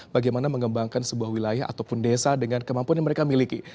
bagaimana mengembangkan sebuah wilayah ataupun desa dengan kemampuan yang mereka miliki